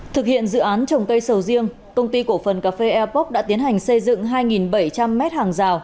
thực hiện dự án trồng cây sầu riêng công ty cổ phần cà phê eapok đã tiến hành xây dựng hai bảy trăm linh m hàng rào